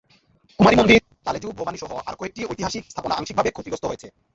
কুমারী মন্দির, তালেজু ভবানীসহ আরও কয়েকটি ঐতিহাসিক স্থাপনা আংশিকভাবে ক্ষতিগ্রস্ত হয়েছে।